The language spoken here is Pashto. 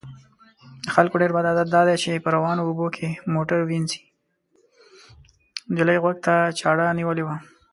نجلۍ غوږ ته چاړه نیولې وه.